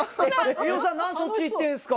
飯尾さん何でそっち行ってるんすか？